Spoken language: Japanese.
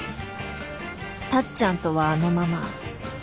タッちゃんとはあのまま。